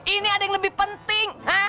ini ada yang lebih penting